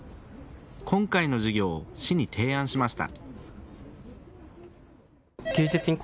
今回の事業を市に提案しました。